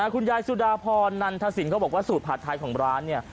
คุณยายสุดาพรนันทศิลปเขาบอกว่าสูตรผัดไทยของร้านเนี่ย